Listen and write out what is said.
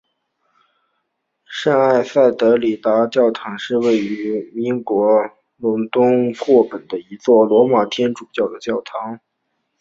圣埃塞德丽达教堂是位于英国伦敦霍本的一座罗马天主教的教堂。